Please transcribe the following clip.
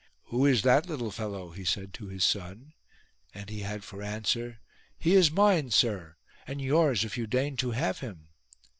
" Who is that little fellow ?" he said to his son ; and he had for answer :" He is mine, sire ; and yours if you deign to have him."